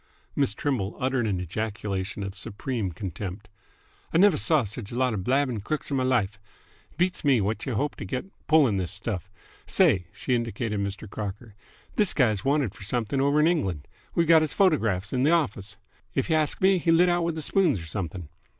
..." Miss Trimble uttered an ejaculation of supreme contempt. "I n'ver saw such a lot of babbl'ng crooks in m' life! 't beats me what y' hope to get pulling this stuff. Say!" She indicated Mr. Crocker. "This guy's wanted f'r something over in England. We've got h's photographs 'n th' office. If y' ask me, he lit out with the spoons 'r something.